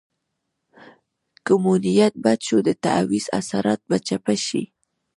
که مو نیت بد شو د تعویض اثرات به چپه شي.